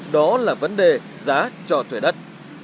đó là vấn đề giá cho thuê đất